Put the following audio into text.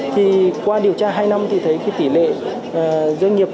thì qua điều tra hai năm thì thấy cái tỷ lệ doanh nghiệp